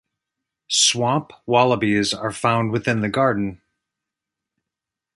Swamp wallabies are found within the Garden.